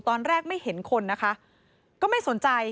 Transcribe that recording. ตอนแรกไม่เห็นคนนะคะก็ไม่สนใจ